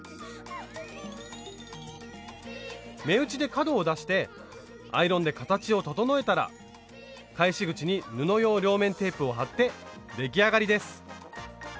目打ちで角を出してアイロンで形を整えたら返し口に布用両面テープを貼って出来上がりです。